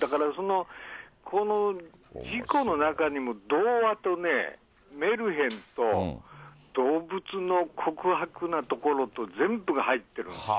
だから、この事故の中にも、童話とね、メルヘンと、動物の酷薄なところと、全部が入ってるんですよ。